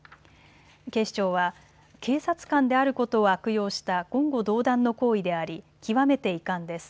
警視庁は、警察官であることを悪用した言語道断の行為であり極めて遺憾です。